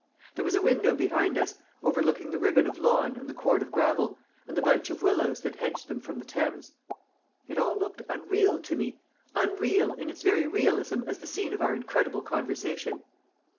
There was a window behind us, overlooking the ribbon of lawn and the cord of gravel, and the bunch of willows that hedged them from the Thames. It all looked unreal to me, unreal in its very realism as the scene of our incredible conversation.